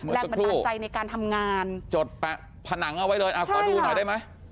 แรกกำลังใจในการทำงานจดแปะผนังเอาไว้เลยอ่ะก็ดูหน่อยได้ไหม